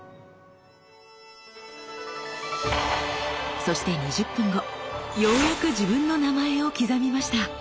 そして２０分後ようやく自分の名前を刻みました。